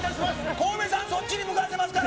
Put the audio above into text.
コウメさん、そっちに向かってますから。